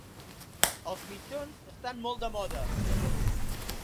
Els mitjons estan molt de moda.